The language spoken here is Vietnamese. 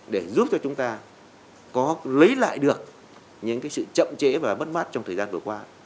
để giúp cho chúng ta có lấy lại được những sự chậm chế và bất mát trong thời gian vừa qua